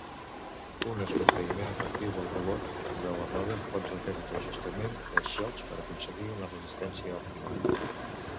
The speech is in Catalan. Un esmorteïment efectiu del rebot de les rodes pot requerir l'ajustament dels xocs per aconseguir una resistència òptima.